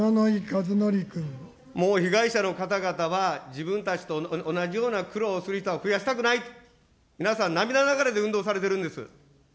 もう被害者の方々は、自分たちと同じような苦労をする人を増やしたくない、皆さん、泣きながら運動されているんです。